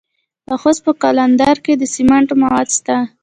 د خوست په قلندر کې د سمنټو مواد شته.